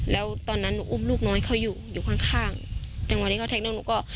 แล้วตอนนั้นหนูอุ้มลูกน้อยเขาอยู่อยู่ข้างข้างจังหวะที่เขาแทงน้องหนูก็